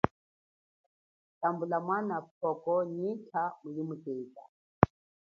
Mutambule mwana pwoko, nyikha muyimuteta.